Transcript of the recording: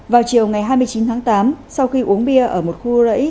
vào chiều ngày hai mươi chín tháng tám sau khi uống bia ở một khu rẫy